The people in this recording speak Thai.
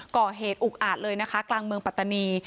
ก่อเหตุอุกอาจเลยนะคะกลางเมืองปัตตานี